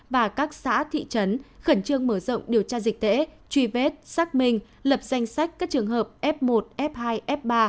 và các xã thị trấn khẩn trương mở rộng điều tra dịch tễ truy vết xác minh lập danh sách các trường hợp f một f hai f ba